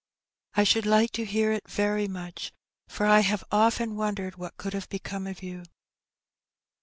"I should like to hear it very much, for I have often wondered what could have become of you."